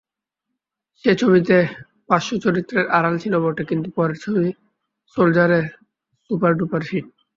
সেই ছবিতে পার্শ্বচরিত্রের আড়াল ছিল বটে, কিন্তু পরের ছবি সোলজার-এ সুপারডুপার হিট।